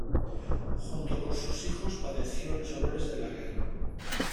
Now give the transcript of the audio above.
Junto con sus hijos padeció los horrores de la guerra.